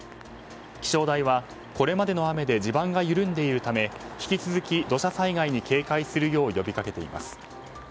気象台は、これまでの雨で地盤が緩んでいるため引き続き土砂災害に警戒するよう呼びかけています。